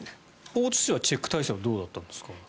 大津市はチェック体制はどうだったんですか？